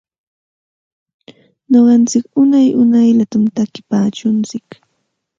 Nuqantsik unay unayllatam takinpaakuntsik.